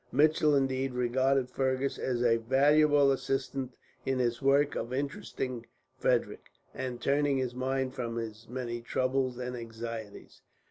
Mitchell, indeed, regarded Fergus as a valuable assistant in his work of interesting Frederick, and turning his mind from his many troubles and anxieties.